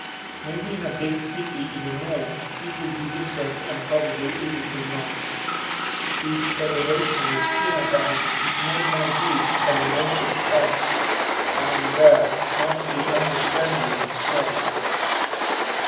Maybe in a big city in the North it would be different and probably it would not: this toleration we hear about is no more good than an open fight, and there must be understanding instead.